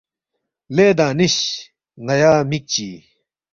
لے دانش نیا مِک چی